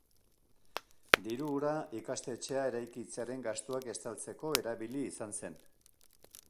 Diru hura ikastetxea eraikitzearen gastuak estaltzeko erabili izan zen.